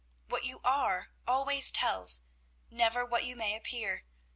What you are always tells, never what you may appear.